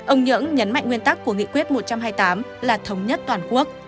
ông nhưỡng nhấn mạnh nguyên tắc của nghị quyết một trăm hai mươi tám là thống nhất toàn quốc